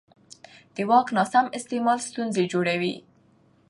د واک ناسم استعمال ستونزې جوړوي